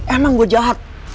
emang gue jahat